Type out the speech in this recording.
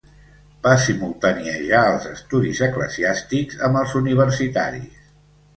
Va simultaniejar els estudis eclesiàstics amb els universitaris.